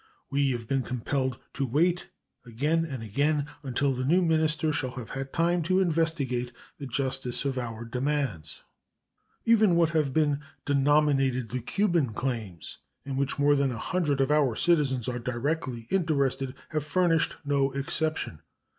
We have been compelled to wait again and again until the new minister shall have had time to investigate the justice of our demands. Even what have been denominated "the Cuban claims," in which more than 100 of our citizens are directly interested, have furnished no exception.